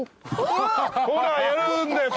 ほらやるんだよ